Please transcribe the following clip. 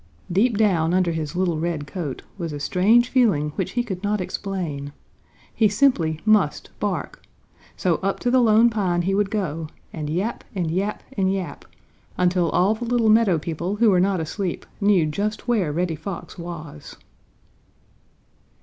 Deep down under his little red coat was a strange feeling which he could not explain. He simply must bark, so up to the Lone Pine he would go and yap and yap and yap, until all the little meadow people who were not asleep knew just where Reddy Fox was.